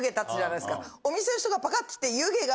お店の人がパカって。